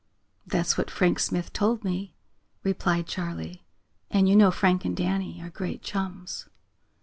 "That's what Frank Smith told me," replied Charley, "and you know Frank and Danny are great chums."